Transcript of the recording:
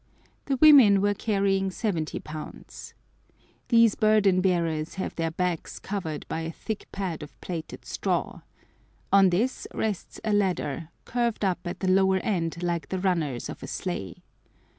The women were carrying 70 lbs. These burden bearers have their backs covered by a thick pad of plaited straw. On this rests a ladder, curved up at the lower end like the runners of a sleigh.